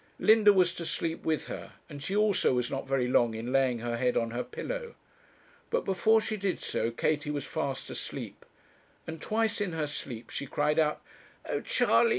Linda was to sleep with her, and she also was not very long in laying her head on her pillow. But before she did so Katie was fast asleep, and twice in her sleep she cried out, 'Oh, Charley!